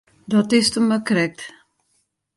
Dat is it him mar krekt.